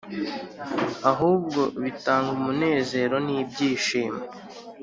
ahubwo bitanga umunezero n’ibyishimo.